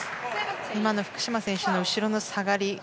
今の福島選手の後ろの下がり